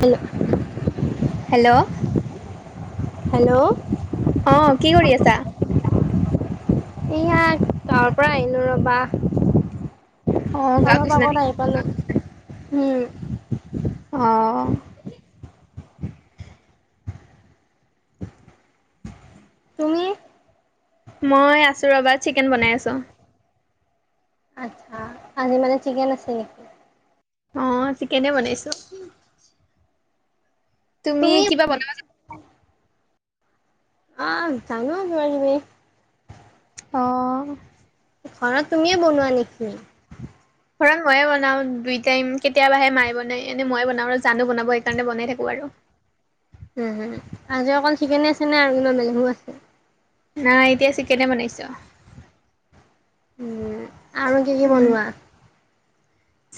Hello. Hello. Hello. অ', কি কৰি আছা? এইয়া গাঁৱৰ পৰা আহিলো ৰ'বা, অ গাঁৱত অলপ গৈছিলা নেকি আগত আহি পালো, হম। অ'। তুমি মই আছোঁ ৰ'বা, চিকেন বনাই আছোঁ। আচ্ছা, আজি মানে চিকেন আছে নি? অ', চিকেনে বনাইছোঁ। তুমি কিবা বনাব জা আ, জানো বাৰু তুমি অ'। ঘৰত তুমিয়েই বনোৱা নেকি? ঘৰত মইয়ে বনাওঁ, দুই টাইম, কেতিয়াবাহে মায়ে বনাই, এনেই মইয়ে বনাওঁ আৰু জানো বনাব সেইকাৰণে বনাই থাকো আৰু উম, উম। আজি অকল চিকেনেই আছে নে আৰু কিবা বেলেগো আছে? নাই এতিয়া চিকেনেই বনাইছোঁ। উম, আৰু কি কি উম বনোৱা?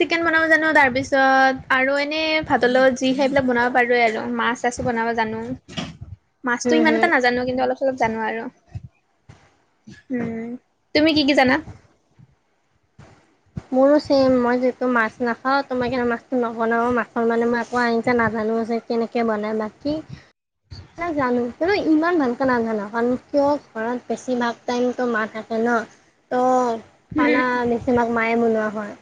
চিকেন বনাব জানো তাৰ পিছত আৰু এনে, ভাতৰ লগত যি খায় সেইবিলাক বনাব পাৰোৱে আৰু মাছ ছাছু বনাব জানো [inaudible] মাছটো ইমান হুম এটা না জানো কিন্তু অলপ চলপ জানো আৰু, উম তুমি কি কি জানা? মোৰো ছেমই মই যিহেটো মাছ নাখাও তো মই মাছটো নবনাও মাছৰ মানে মই একো আঞ্জা নাজানোও যে। কেনেকে বনায় বাকী বিলাক জানো, কিন্তু ইমান ভালকে নাজানো কাৰণ কিয় ঘৰত বেছি ভাগ টাইমতো মা থাকে ন। ত উম খানা বেছিভাগ মায়ে বনোৱা হয়,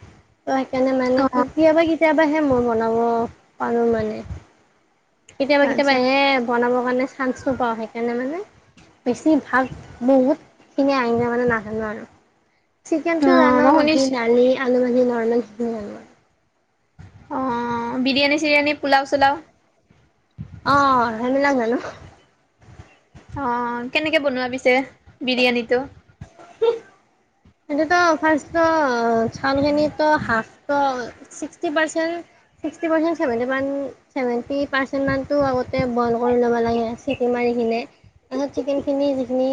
ত সেইকাৰণে মানে অ কেতিয়াবা কেত তিয়াবাহে মই বনাব পাৰো মানে। কেতিয়াবা কেতিয়াবা আচ্ছা এ বনাবৰ কাৰণে চাঞ্চটো পাওঁ সেইকাৰণে মানে বেছি ভাগ বহুত খিনিয়ে আঞ্জা মানে নোহানো আৰু। অ চিকেনটো জানো মই বাকী শুনিছো দালি আলু ভাজি নৰ্মেলখিনি জানো। অঁ, বিৰিয়ানী চিৰিয়ানী পোলাও চোলাও। অঁ, সেই বিলাক জানো। অঁ কেনেকে বনোৱা পিছে বিৰিয়ানীটো? [inaudible] সেইটো ত ফাৰ্ষ্ট চাউলখিনিতো হাফত sixty percent sixty percent seventy মান চেভেন্টি পাৰ্চেণ্ট মানটো আগতে বইল কৰি ল'ব লাগে চিটি মাৰি কিনে। তাৰপিছত চিকেন খিনি যিখিনি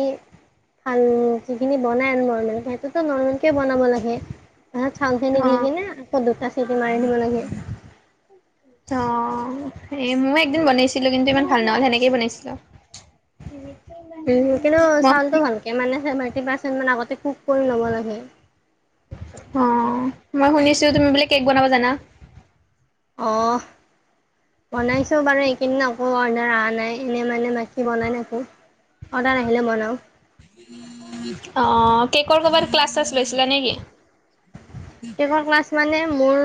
ভাল যিখিনি বনাই আনো নৰ্মেলকে চব ত নৰ্মেলকে বনাব লাগে, তাৰপিছত চাউল খিনি দি অ', কিনে আকৌ দুটা চিটি মাৰি দিব লাগে। অঁ এই মই একদিন বনেছিলোঁ কিন্তু ইমান ভাল নহল সেনেকেই বনাইছিলোঁ। কিন্তু চাউলটো [inaudible] মানে ভালকৈ চেভেণ্টি পাৰ্চেণ্ট মান আগতে কুক কৰি ল'ব লাগে। অঁ মই শুনিছো তুমি বোলে কেক বনাব জানা। অঁ বনাইছোঁ বাৰু, এইকেইদিন আকৌ অৰ্ডাৰ অহা নাই এনেই মানে বাকী বনাই থাকোঁ। অৰ্ডাৰ আহিলে বনাওঁ। অঁ কেকৰ ক'বাত ক্লাছ চালছ লৈছিলা নেকি? কেকৰ ক্লাছ মানে মোৰ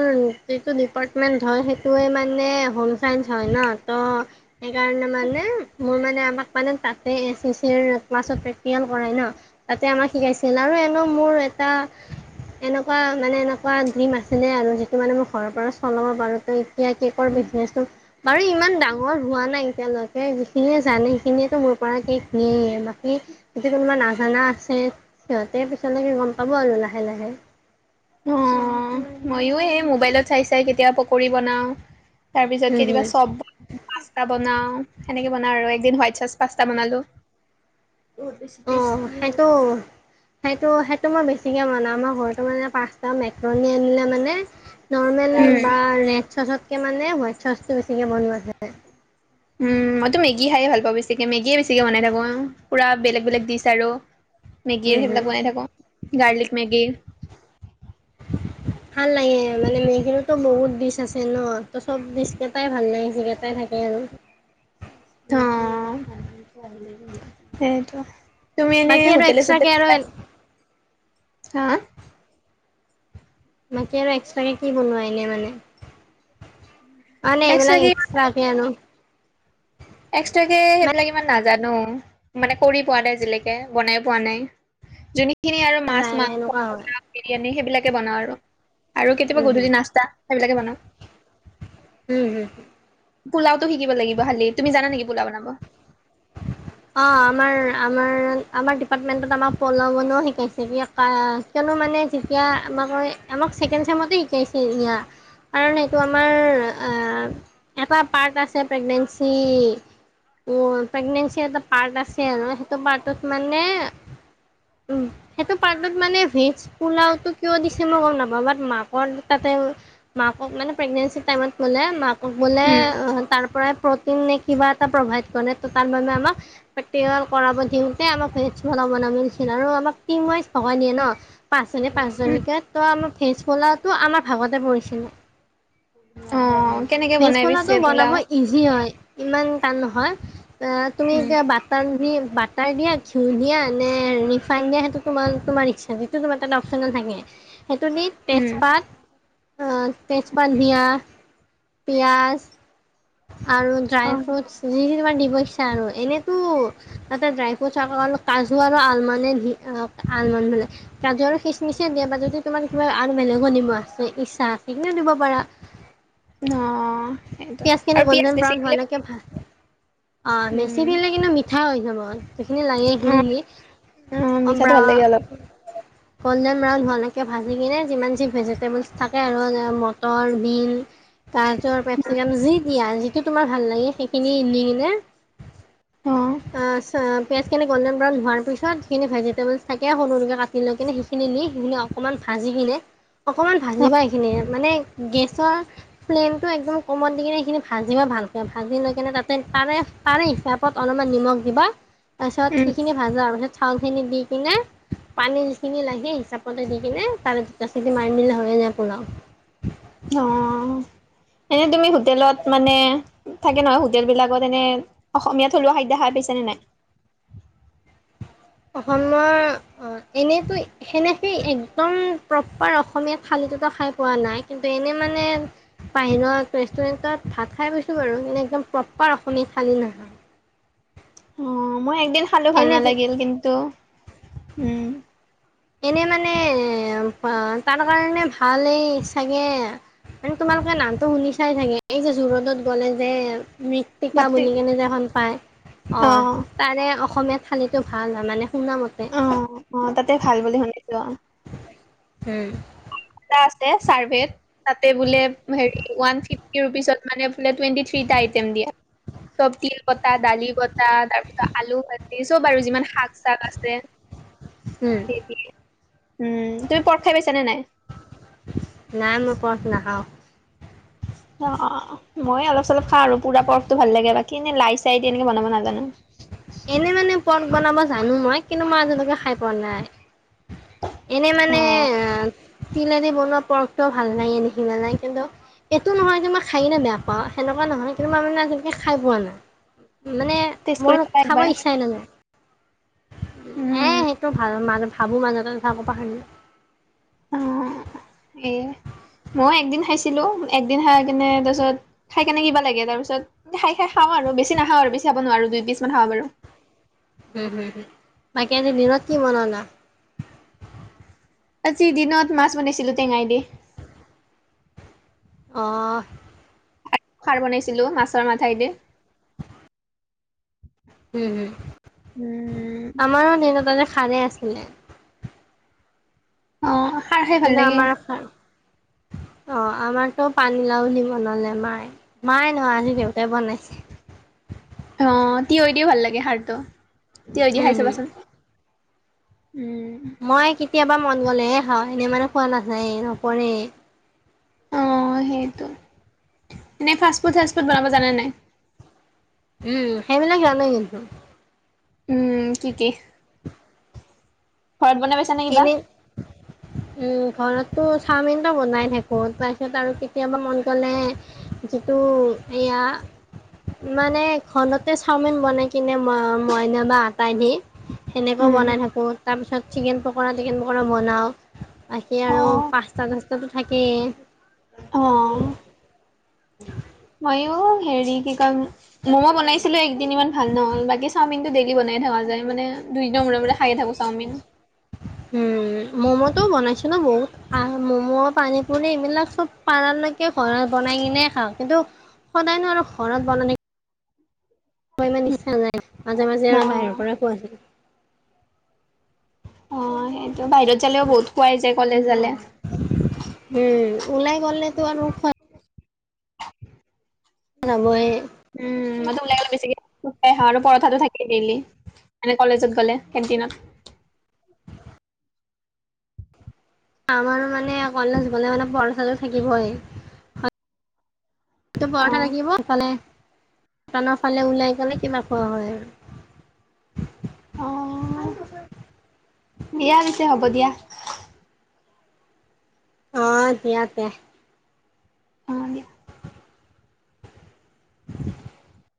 যিটো ডিপাৰ্টমেণ্ট হয়, সেইটোৱে মানে হোম চাইন্স হয় ন। ত সেইকাৰণে মানে মোৰ মানে আমাক মানে তাতে এ চিচিৰ ক্লাছত প্ৰেক্টিকেল কৰাই ন। তাতে আমাক শিকাইছিল, আৰু এনো মোৰ এটা এনেকুৱা মানে এনেকুৱা ডিম আছিলে আৰু যিটো মানে মই ঘৰৰ পৰা চলাব পাৰোঁ তো এতিয়া কেকৰ বিজনেচটো বাৰু ইমান ডাঙৰ হোৱা নাই এতিয়ালৈকে, যিখিনিয়ে জানে সেইখিনিয়ে মোৰ পৰা কেক নিয়েই বাকী যদি কোনোবা নাজানা আছে, সিহঁতে পিছলৈ কেই গম পাব আৰু লাহে লাহে। মইও এই মোবাইলত চাই চাই কেতিয়াবা পকৰি বনাও, তাৰ পিছত হম কেতিয়াবা হম চব পাস্তা বনাও সেনেকে বনাও আৰু একদিন হোৱাইট চাচ পাস্তা বনালো। অঁ, সেইটো সেইটো সেইটো মই বেছিকে বনাও আমাৰ ঘৰটো মানে পাচ একদম এক্ৰণী আনিলে মানে নৰ্মেল উম, বা ৰেড চচত কে মানে হোৱাইট চচটো বেছিকে বনোৱা যায়। মইতো মেগী খায়ে ভাল পাওঁ বেছিকে মেগিয়ে বেছিকৈ বনাই থাকোঁ আও, পূৰা বেলেগ বেলেগ ডিচ আৰু। উম, মেগীৰ হুম। সেইবিলাক বনাই থাকো গাৰ্লিক মেগীৰ। ভাল লাগে মানে মেগীটোতো বহুত ডিচ আছে ন, ত চব ডিচ টাই ভাল লাগে, যিকেইটা থাকে আৰু। অঁ, সেইটো। তুমি এনেই বাকী আৰু হোটেলে এক্সট্ৰাকে চুতেলে আৰু কিবা হা? বাকী আৰু এক্সট্ৰাকে কি বনোৱাই এনেই মানে অঁ, নে এক্সট্ৰা এইবিলাক কি খোৱা পিয়ান। এক্সট্ৰাকে সেইবিলাক ইমান নাজানো। মানে কৰি পোৱা নাই আজিলেকে বনাই পোৱা নাই। যোনে খিনি আৰু মাছ, যায় সেনেকুৱা মাংস, হয় পোলাঅ' বিৰিয়ানী সেইবিলাকে বনাওঁ আৰু কেতিয়াবা উম, গধূলি হুম, নাস্তা। সেইবিলাকে বনাওঁ। উম, উম। পোলাও টো শিকিব লাগিব খালি, তুমি জানা নেকি পোলাও বনাব? অঁ, আমাৰ আমাৰ আমাৰ ডিপাৰ্টমেন্টত আমাৰ পোলাও' বনাও শিকাইছে দিয়া। ই কিয়নো মানে যেতিয়া আমাক আমাক ছেকেণ্ড চেমত তো সিকাইছে ইয়াৰ, কাৰণ এইটো আমাৰ এ এটা পাৰ্ট আছে, প্ৰেগনেঞ্চি মোৰ প্ৰেগনেঞ্চি এটা পাৰ্ট আছে আৰু সেইটো পাৰ্টত মানে উম সেইটো পাৰ্টত মানে ভেজ পোলাওটো কিয় দিছে মই গম নাপাওঁ, বাত মাকৰ তাতে মাকক মানে প্ৰেগনেঞ্চি টাইমত বোলে মাক বোলে উম, তাৰ পৰাই প্ৰটিন কিবা এটা প্ৰভাইড কৰে ত' তাৰ বাবে আমাক প্ৰেক্টিকেল কৰা দিওঁতে আমাক ভেজ পোলাও বনাব দিছিল আৰু আমাক টিম ৱাইজ ভগাই দিয়ে ন'। পাঁচজনী পাঁচজনীকে ত' আমাক ফেজ পোলাওটো আমাৰ ভাগতে পৰিছিলে। অঁ, কেনেকে ভেজ বনাই পোলাওটো পিছে বনাব পোলাও? ইজি হয় ইমান টান নহয়, এ তুমি উম। এতিয়া বাট তাত ঘিঁ, বাটাৰ দিয়া, ঘিউ দিয়া, নে ৰিফাইন দিয়া সেইটো তো তোমাৰ ইচ্ছাতে। টো তোমা তাতে অপচনেল থাকে সেইটো দি উম, তেজপাত এহ তেজপাত দিয়া পিঁয়াজ আৰু ড্ৰাই অ', ফ্ৰুটছ। যি খিনিমানে দিব ইচ্ছা আৰু এনেইতো তাতে ড্ৰাই ফ্ৰুটছ আকমান আৰু কাজু আৰু আলমনে আলমোন বোলে কাজু আৰু খিচ মিচেই দিয়ে বা যদি তোমাৰ কিবা আৰু বেলেগো দিব আছে ইচ্ছা আছে সেই খিনিও দিব পাৰা। অঁ পিয়াজখিনি গল্ডেন ব্ৰাউন হোৱালেকে ভাজ অঁ উম, বেচি দিলে কিন্তু মিঠা হৈ যাব। যিখিনি লাগে সেইখিনি অ', দি অ', অঁ মিঠাটো ব্ৰা ভাল লাগে অলপ গলডেন ব্ৰাউন হোৱালেকে ভাজি কিনে যিমান যি ভেজিটেবলছ থাকে আৰু মটৰ বিন গাজৰ, কেপচিকাম যি দিয়া যিটো তোমাৰ ভাল লাগে সেইখিনি দি কিনে অ', এ চে। পিয়াজখিন গলডেন ব্ৰাউন হোৱাৰ পিছত যিখিনি ভজিটেবলছ থাকে সৰু সৰুকৈ কাটি লৈ কিনে সেইখিনি সখিনি অকণমান ভাজি কিনে অকণমান অ', ভাজিবা এইখিনি মানে গেছৰ ফ্লেমটো একদম অকণমান দি কিনে, সেইখিনি ভাজিবা ভালকে, ভাজি লৈ কিনে তাতে, তাৰে, তাৰে হিচাপত অলপমান নিমখ দিবা। তাৰপিছত, উম, সিখিনি ভাজা পিছত চাউলখিনি দি, কিনে পানী যিখিনি লাগে, হিচাপতে দি কিনে, তাৰে দুতা চিতি মাৰি দিলে হয়ে যায় পুলাও। অঁ, এনেই তুমি হোটেলত মানে থাকে নহয়, হোটেল বিলাকত এনে অসমীয়া থলুৱা খাদ্য খাই পাইছেনে, নাই? অসমৰ, অঁ এনেইতো সেনেকে, সি একদম প্ৰপাৰ অসমীয়া থালিটোত' খাই পোৱা নাই, কিন্তু এনেই মানে পাইনত ৰেষ্টুৰেণ্টত ভাত খাই পাইছো বাৰু। কিন্ত একদম প্ৰপাৰ অসমীয়া ঠালী নাই অঁ, মই একদিন খালো, ভাল এনে নালাগিল কিন্তু, উম। এনেই মানে তাৰ কাৰণে ভালেই চাগে। মানে তোমালোকে নামটো শুনি চাই চাগে এই যে যু ৰডত গ'লে যে মী টিকা মাতৃ বুলি কেনে যে এখন পায়, অ', অঁ। তাৰে অসমীয়ীয়া থালীটো ভাল হয়, মানে শুনা মতে। অঁ অঁ, তাতে ভাল বুলি শুনিছো। উম। এটা আছে, ছাৰ্ভেত তাতে বোলে হেৰি ওৱান ফিফ টি ৰূপিছত মানে, টুৱণ্টি থ্ৰীটা আইটেম দিয়ে। চব, তিল পতা, দালি পতা, তাৰ পিছত আলু পাট, চব আৰু যিমান শাক চাক আছে, উম উম। তুমি পৰ্ক খাই পাইছানে নাই? নাই, মই পৰ্ক নখাওঁ। অ', অঁ। মই অলপ চলপ খাওঁ আৰু পুৰা পৰ্কটো ভাল লাগে, বাকী এনে লাই চাই তেনেকে বনাব নাজানো। এনে মানে পৰ্ক বনাব জানো মই, কিন্তু মই আজিলৈকে খাই পোৱা নাই। এনেই মানে অ', তিলেদি বনোৱা পৰ্কটোও ভাল লাগে নেকি খাই কিন্তু এইটো নহয় যে মই খায় কিনি বেয়া পাওঁ। সেনেুৱা নহয় কিন্তু মই মানে আজিলকে খাই পোৱা নাই। মানে টেষ্ট কৰি মোৰ চাবা খাব একবাৰ ইচ্ছাই নাজাই। এ, উম, সেইটো ভাল মাজ ভাবো, মাজতে আকৌ পাহৰোঁ। অ'। [inaudible] এ, মই একদিন খাইছিলো একদিন খাই কেনে তাৰপিছত খাই কেনে কিবা লাগে, তাৰপিছত খাই খাই খাওঁ আৰু বেছি নখাও আৰু বেছি খাব নোৱাৰো, দুই পিচ মান হে খাব পাৰো। হো হো, বাকী আজি দিনত কি বনলা? আজি দিনত মাছ বনাইছিলো টেঙাই দি। অহ। খাৰ বনাইছিলোঁ মাছৰ মাথাইদি। হম, হুম। উম। আমাৰো দিনত আজি খাৰেই আছিলে। অ', খাৰ খাই ভাল কিন্তু লাগে। আমাৰ খাৰ, অ আমাৰতো পানীলাও বনালে মায়ে। মাই নহয়, আজি দেউতাই বনাইছে। অঁ, তিয় দিও ভাল লাগে খাৰটো, তিয় দি হুম খাই হুম চাবাচোন। উম। মই কেতিয়াবা মন গ'লেহে খাওঁ, এনেই মানে খোৱা নাযায়, নপৰে। অঁ সেইটো, এনেই ফাষ্ট ফুড, চাষ্ট ফুড, বনাব জানে নাই? উম, সেইবিলাক জনো কিন্তু। উম, কি কি? ঘৰত বনাই পাইছা নে কিবা? এনেই উম, ঘৰতটো চাওমিনটো বনাই থাকো। তাৰপিছত আৰু কেতিয়াবা মন গ'লে যিটো এয়া মানে ঘৰতে চাওমিন বনাই কিনে মই মইদা বা আতাই দি হেনেকেও উম, বনাই থাকো। তাৰপিছত চিকেন পক চিকেন পকৰা বনাওঁ, বাকী আৰু অ', পাচটা চাষ্টাতো থাকেই। অহ। মইয়ো হেৰি কি কয় ম'ম' বনাইছিলো একদিন ইমান ভাল নহ'ল বাকী চাওমিন ডেইলি বনাই থকা যায় মানে দুইদিনৰ মূৰে, মূৰে খায়ে থাকোঁ চাওমিন। হয়। উম ম'ম'টোও বনাইছে ন বহুত আহ ম'ম' পানী পনীপুৰি এইবিলাক চব পাৰালৈকে ঘৰত বনাই কিনে খাওঁ কিন্তু সদায়নো আৰু ঘৰত বন ন মই ইমান ইচ্ছা নাই মাজে, মাজে আৰু বাহিৰৰ অ', পৰাই খোৱা যায়। অ', সেইটো বাহিৰত যালেও বহুত খোৱাই যায় কলে যালে। উম, ওলাই গ'লেতো আৰু খো যাব ই। উম ম ওলাইলে বেছিকাই আহা আৰু পৰঠাতো থাকে দেইলি মানে কলেজত গ'লে কেণ্টিনত আমাৰো মানে কলেজ গ'লে মানে পৰঠাটো টো থাকিবই। এইটো পৰঠা অ', থাকিব ফালে টাউৰ ফালে ওলাই গ'লে কিবা কয় হয় আৰু। অ', দিয়া পিছে হ'ব দিয়া। অ', দিয়া দে। অ', দিয়া। [inaudible]